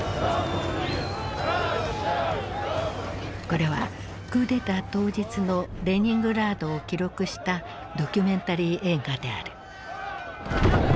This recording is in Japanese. これはクーデター当日のレニングラードを記録したドキュメンタリー映画である。